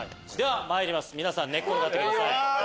では皆さん寝転がってください。